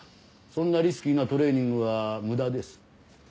そんなリスキーなトレーニングは無駄です。